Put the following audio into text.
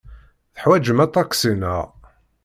Teḥwajem aṭaksi, naɣ?